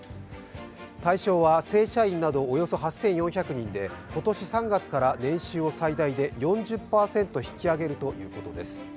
対象は正社員などおよそ８４００人で今年３月から年収を最大で４０％引き上げるということです。